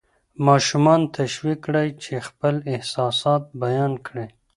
ماشومان تشویق کړئ چې خپل احساسات بیان کړي.